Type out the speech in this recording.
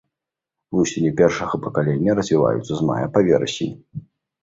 Вусені першага пакалення развіваюцца з мая па верасень.